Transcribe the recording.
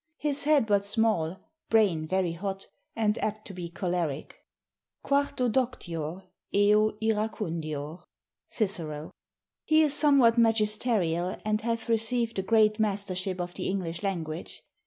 His head but small, braine very hott, and apt to be cholerique. Quarto doctior, eo iracundior. CIC. He is somewhat magisteriall, and hath received a great mastership of the English language.